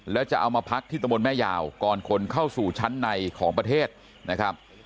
แล้วจะเอามาพักที่ตะมนต์แม่ยาวก่อนคนเข้าสู่ชั้นในของประเทศนะครับ